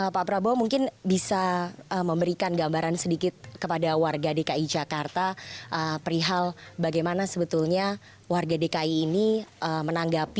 pak prabowo mungkin bisa memberikan gambaran sedikit kepada warga dki jakarta perihal bagaimana sebetulnya warga dki ini menanggapi